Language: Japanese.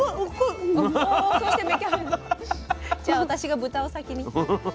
じゃあ私が豚を先に。